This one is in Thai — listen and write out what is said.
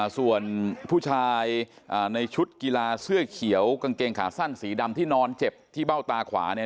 ส่วนผู้ชายในชุดกีฬาเสื้อเขียวกางเกงขาสั้นสีดำที่นอนเจ็บที่เบ้าตาขวา